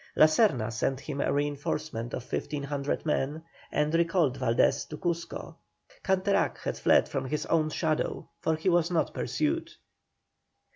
La Serna sent him a reinforcement of 1,500 men, and recalled Valdés to Cuzco. Canterac had fled from his own shadow, for he was not pursued.